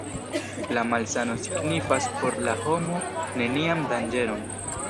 La malsano signifas por la homo nenian danĝeron.